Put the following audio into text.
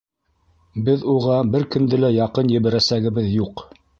Беҙ уға бер кемде лә яҡын ебәрәсәгебеҙ юҡ.